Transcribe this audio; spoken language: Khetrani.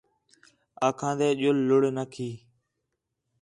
آکھان٘دے ڄُل لُڑھ نہ کھی